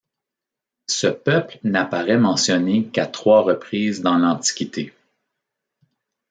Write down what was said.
Ce peuple n'apparaît mentionné qu'à trois reprises dans l'Antiquité.